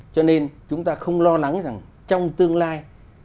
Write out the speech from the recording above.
cho nên chúng ta không lo lắng rằng trong tương lai